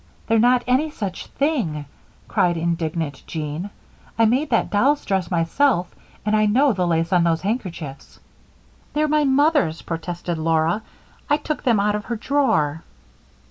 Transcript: "They're not any such thing!" cried indignant Jean. "I made that doll's dress myself, and I know the lace on those handkerchiefs." "They're my mother's," protested Laura. "I took 'em out of her drawer."